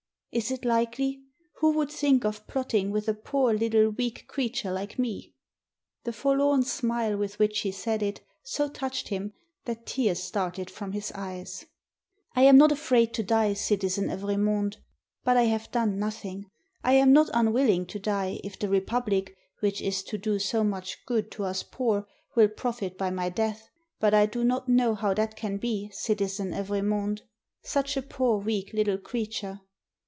Is it likely? Who would think of plotting with a poor little weak creature like me?" The forlorn smile with which she said it, so touched him that tears started from his eyes. "I am not afraid to die. Citizen Evremonde, but I 327 FRANCE have done nothing. I am not unwilling to die, if the Republic, which is to do so much good to us poor, will profit by my death; but I do not know how that can be, Citizen Evremonde. Such a poor weak little creature!"